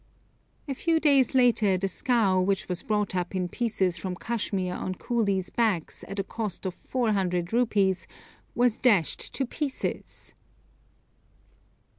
A few days later the scow, which was brought up in pieces from Kashmir on coolies' backs at a cost of four hundred rupees, was dashed to pieces!